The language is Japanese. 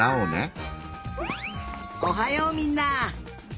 おはようみんな！